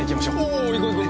おお行こう行こう。